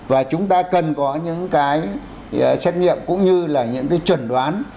và chúng ta cần có những cái xét nghiệm cũng như là những cái chuẩn đoán